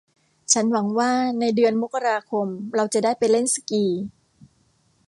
ฉันหวังว่าในเดือนมกราคมเราจะได้ไปเล่นสกี